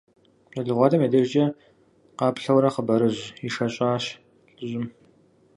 Щӏалэгъуалэм я дежкӏэ къаплъэурэ хъыбарыжь ишэщӀащ лӏыжьым.